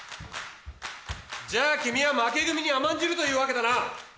じゃあ君は負け組に甘んじるというわけだな？